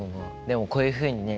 でもこういうふうにね